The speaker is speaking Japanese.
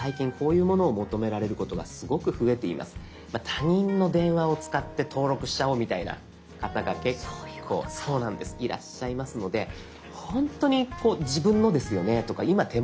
他人の電話を使って登録しちゃおうみたいな方が結構いらっしゃいますので「ほんとに自分のですよね？」とか「今手元にあるんですよね？」